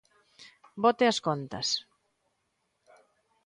Bote as contas.